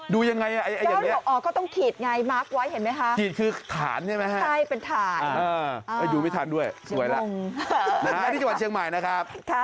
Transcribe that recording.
ดูยังไงอ่ะอย่างนี้ก็ต้องขีดไงมาร์คไว้เห็นมั้ยฮะขีดคือฐานใช่มั้ยฮะใช่เป็นฐานอ่าอยู่ไม่ทันด้วยสวยละนี่จังหวัดเชียงใหม่นะครับ